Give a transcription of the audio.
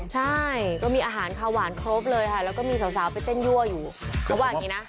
ใช่ก็มีอาหารข้าวหวานครบเลยค่ะแล้วก็มีสาวไปเต้นยั่วอยู่เขาว่าอย่างนี้นะ